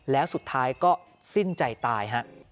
แล้วสุดท้ายก็สิ้นใจตายฮะ